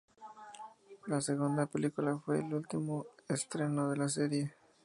La segunda película fue el último estreno de la serie.